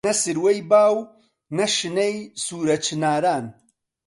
نە سروەی با و شنەی سوورە چناران